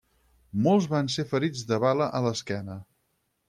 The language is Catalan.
Molts van ser ferits de bala a l'esquena.